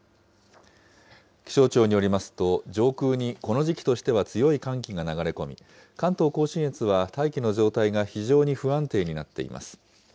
気象庁によりますと、上空にこの時期としては強い寒気が流れ込み、関東甲信越は大気の状態が非常に不安定になっています。